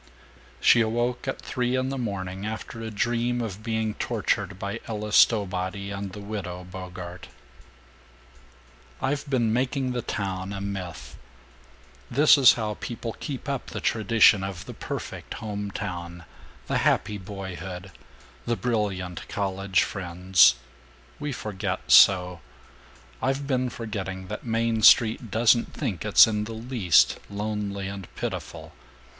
She awoke at three in the morning, after a dream of being tortured by Ella Stowbody and the Widow Bogart. "I've been making the town a myth. This is how people keep up the tradition of the perfect home town, the happy boyhood, the brilliant college friends. We forget so. I've been forgetting that Main Street doesn't think it's in the least lonely and pitiful.